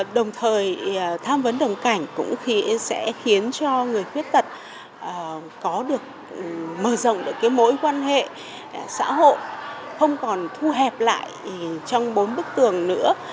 đồng thời tham vấn đồng cảnh vũ khí sẽ khiến cho người khuyết tật có được mở rộng được mối quan hệ xã hội không còn thu hẹp lại trong bốn bức tường nữa